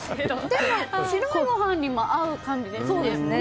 でも、白いご飯にも合う感じですね。